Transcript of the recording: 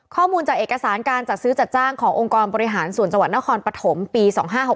ข้อมูลจากเอกสารการจัดซื้อจัดจ้างขององค์กรบริหารส่วนจังหวัดนครปฐมปี๒๕๖๖